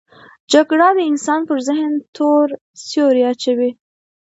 جګړه د انسان پر ذهن تور سیوری اچوي